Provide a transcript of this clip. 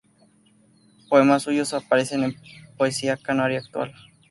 Poemas suyos aparecen en "Poesía canaria actual.